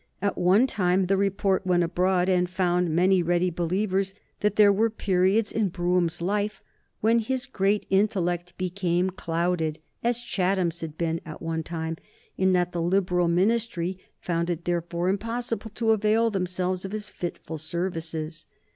At one time the report went abroad, and found many ready believers, that there were periods in Brougham's life when his great intellect became clouded, as Chatham's had been at one time, and that the Liberal Ministry found it therefore impossible to avail themselves of his fitful services.